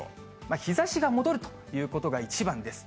日ざしが戻るということが一番です。